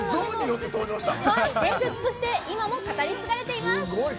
伝説として今も語り継がれています。